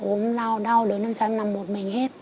uống lau đau đớn em sáng em nằm một mình hết